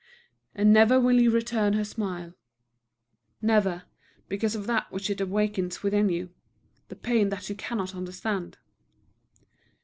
And never will you return her smile, never, because of that which it awakens within you, the pain that you cannot understand.